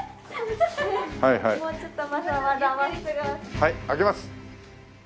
はい開けます。